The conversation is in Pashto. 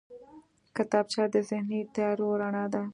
کتابچه د ذهني تیارو رڼا ده